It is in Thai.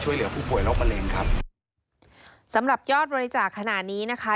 ช่วยเหลือผู้ป่วยโรคมะเร็งครับสำหรับยอดบริจาคขณะนี้นะคะ